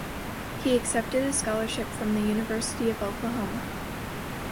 He accepted a scholarship from the University of Oklahoma.